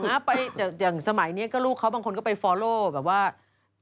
อย่างสมัยนี้ลูกเขาบางคนก็ไปตาม